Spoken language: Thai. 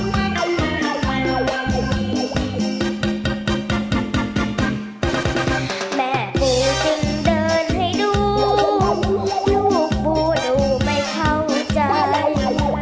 แม่ปูจึงเดินให้ดูลูกปูดูไม่เข้าใจ